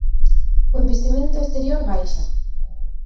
O investimento exterior baixa.